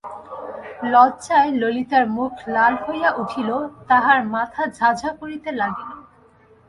লজ্জায় ললিতার মুখ লাল হইয়া উঠিল, তাহার মাথা ঝাঁ ঝাঁ করিতে লাগিল।